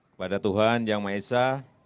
kepada tuhan yang maha esa